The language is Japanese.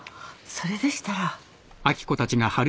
それでしたら。